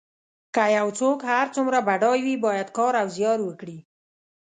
که یو څوک هر څومره بډای وي باید کار او زیار وکړي.